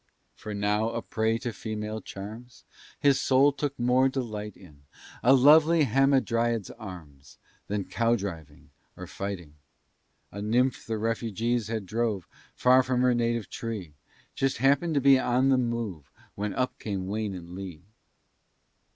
For now a prey to female charms, His soul took more delight in A lovely hamadryad's arms, Than cow driving or fighting. A nymph the refugees had drove Far from her native tree, Just happen'd to be on the move, When up came Wayne and Lee.